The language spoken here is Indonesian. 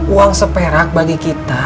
uang seperak bagi kita